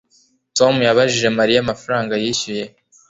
Tom yabajije Mariya amafaranga yishyuye